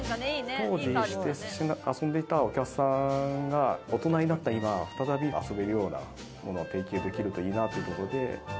当時、遊んでいたお客さんが大人になった今、再び遊べるようなものを提供できるといいなということで。